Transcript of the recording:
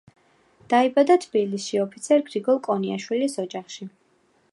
დაიბადა თბილისში, ოფიცერ გრიგოლ კონიაშვილის ოჯახში.